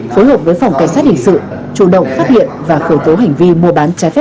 phối hợp với phòng cảnh sát hình sự chủ động phát hiện và khởi tố hành vi mua bán trái phép